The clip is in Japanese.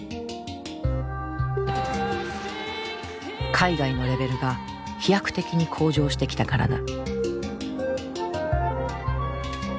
海外のレベルが飛躍的に向上してきたからだ。